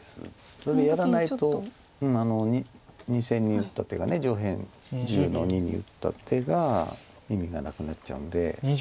それやらないと２線に打った手が上辺１０の二に打った手が意味がなくなっちゃうんで。